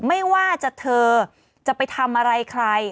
ไม่ว่าจะเธอจะไปทำอะไรใคร